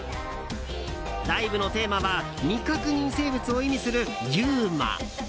ライブのテーマは未確認生物を意味するＵＭＡ。